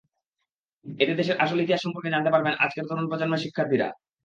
এতে দেশের আসল ইতিহাস সম্পর্কে জানতে পারবেন আজকের তরুণ প্রজন্মের শিক্ষার্থীরা।